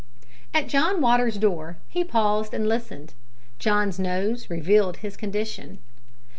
At John Waters's door he paused and listened. John's nose revealed his condition.